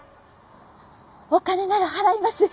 お金なら払います！